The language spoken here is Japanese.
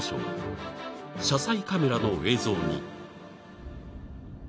［車載カメラの映像に］